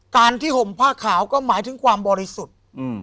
การที่ห่มผ้าขาวก็หมายถึงความบริสุทธิ์